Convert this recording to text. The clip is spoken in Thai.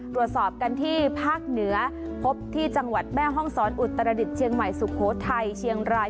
ตรวจสอบกันที่ภาคเหนือพบที่จังหวัดแม่ห้องศรอุตรดิษฐ์เชียงใหม่สุโขทัยเชียงราย